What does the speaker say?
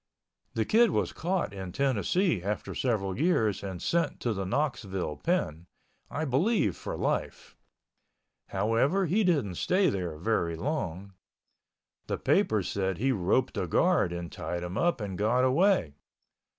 The Kid was caught in Tennessee after several years and sent to the Knoxville pen—I believe for life. However, he didn't stay there very long. The papers said he roped a guard and tied him up and got away.